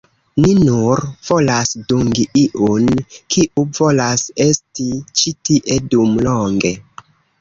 Ni nur volas dungi iun, kiu volas esti ĉi tie dum longe.